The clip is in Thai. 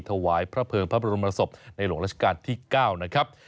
ถวายพระเภิงพระบรมศพในหลวงราชการที่๙นะครับ